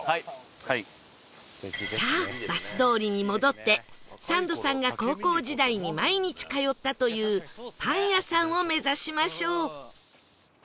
さあバス通りに戻ってサンドさんが高校時代に毎日通ったというパン屋さんを目指しましょう！